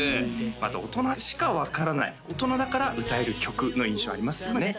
また大人しか分からない大人だから歌える曲の印象ありますよね